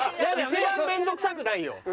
一番面倒くさくないよ。